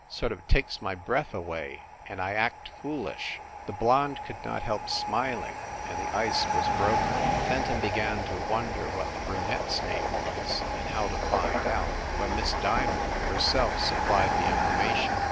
Sort of takes my breath away and I act foolish." The blonde could not help smiling, and the ice was broken. Fenton began to wonder what the brunette s name was, and how to find out, when Miss Diamond herself supplied the information.